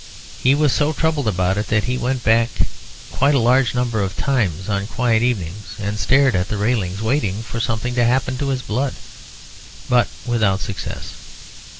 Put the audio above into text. He was so troubled about it that he went back quite a large number of times on quiet evenings and stared at the railings, waiting for something to happen to his blood, but without success.